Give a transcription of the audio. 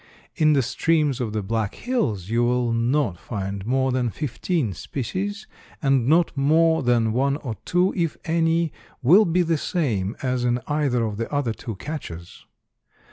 In the streams of the Black Hills you will not find more than fifteen species, and not more than one or two, if any, will be the same as in either of the other two catches.